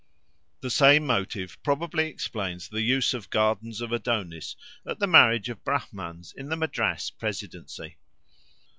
The same motive probably explains the use of gardens of Adonis at the marriage of Brahmans in the Madras Presidency.